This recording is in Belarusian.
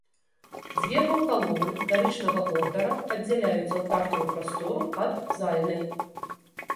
Дзве паўкалоны дарычнага ордара аддзяляюць алтарную прастору ад зальнай.